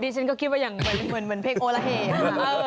ดิฉันก็คิดว่าเหมือนเพลงโอลาเฮ